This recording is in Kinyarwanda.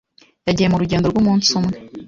Yagiye mu rugendo rw'umunsi umwe.